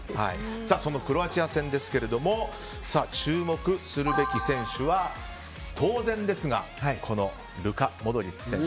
そのクロアチア戦ですが注目するべき選手は当然ですがこのルカ・モドリッチ選手。